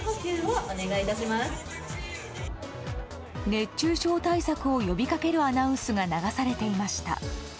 熱中症対策を呼び掛けるアナウンスが流されていました。